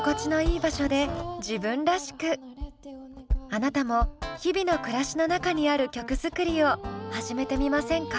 あなたも日々の暮らしの中にある曲作りを始めてみませんか？